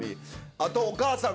あとおかあさん